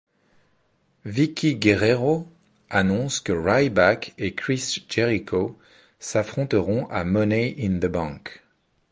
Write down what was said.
Vikie Guerrero annonce que Ryback et Chris Jericho s'affronteront à Money in the Bank.